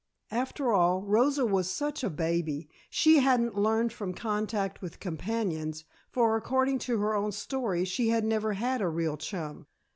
After all, Rosa was such a baby. She hadn't learned from contact with companions, for, according to her own story, she had never had a real chum.